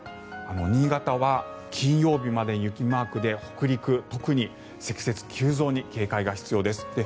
新潟は金曜日まで雪マークで北陸、特に積雪急増に警戒が必要です。